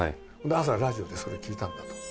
朝、ラジオでそれ聞いたんだと。